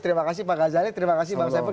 terima kasih pak zainul terima kasih bang saiful